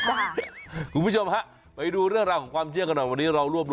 มองไปหมดแล้วน้องใบตองเขายืน